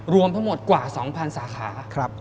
รวมทั้งหมดกว่า๒๐๐สาขา